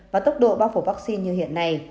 và tốc độ bao phủ vaccine như hiện nay